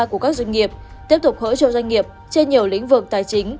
của các doanh nghiệp tiếp tục hỡi cho doanh nghiệp trên nhiều lĩnh vực tài chính